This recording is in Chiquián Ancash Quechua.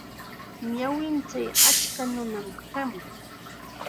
Naanichaw achka nunam kan.